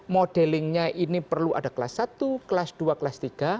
modelingnya ini perlu ada kelas satu kelas dua kelas tiga